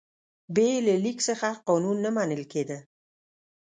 بې له لیک څخه قانون نه منل کېده.